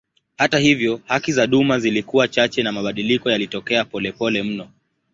Hata hivyo haki za duma zilikuwa chache na mabadiliko yalitokea polepole mno.